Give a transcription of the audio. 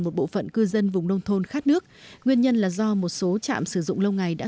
một bộ phận cư dân vùng nông thôn khát nước nguyên nhân là do một số trạm sử dụng lâu ngày đã